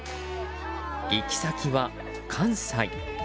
行き先は、関西。